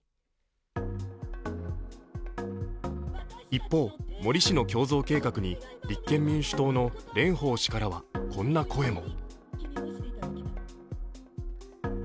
一方、森氏の胸像計画に立憲民主党の蓮舫氏からはこんな声も。